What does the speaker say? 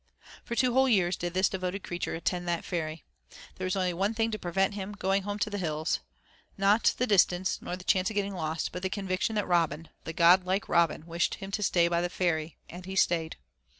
For two whole years did this devoted creature attend that ferry. There was only one thing to prevent him going home to the hills, not the distance nor the chance of getting lost, but the conviction that Robin, the godlike Robin, wished him to stay by the ferry; and he stayed.